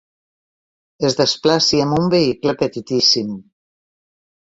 Es desplaci amb un vehicle petitíssim.